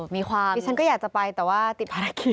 มีความดิฉันก็อยากจะไปแต่ว่าติดภารกิจ